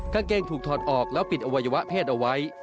กางเกงถูกถอดออกแล้วปิดอวัยวะเพศเอาไว้